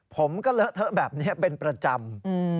ผมก็เลอะเทอะแบบนี้เป็นประจำ